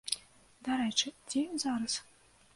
Дарэчы, дзе ён зараз?